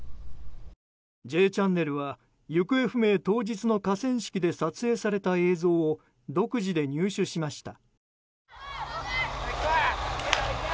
「Ｊチャンネル」は行方不明当日の河川敷で撮影された映像を独自で入手しました。